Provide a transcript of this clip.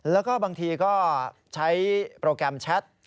แล้วก็บางทีก็ใช้โปรแกรมแชท